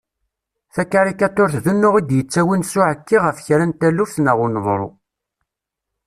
Takarikaturt d unuɣ i d-yettawin s uɛekki ɣef kra n taluft neɣ uneḍru.